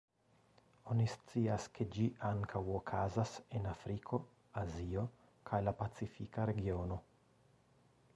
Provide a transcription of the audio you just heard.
Oni scias, ke ĝi ankaŭ okazas en Afriko, Azio, kaj la Pacifika Regiono.